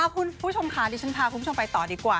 คุณผู้ชมค่ะดิฉันพาคุณผู้ชมไปต่อดีกว่า